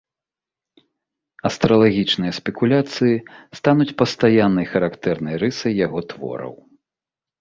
Астралагічныя спекуляцыі стануць пастаяннай характэрнай рысай яго твораў.